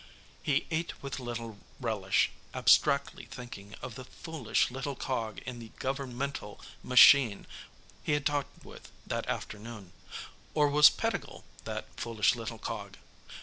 He ate with little relish, abstractly thinking of the foolish little cog in the governmental machine he had talked with that afternoon. Or was Pettigill that foolish little cog?